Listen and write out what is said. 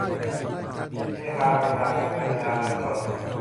เฮฮาเมียนาวี - นันทนา วีระชน